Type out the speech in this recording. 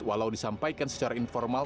walau disampaikan secara informal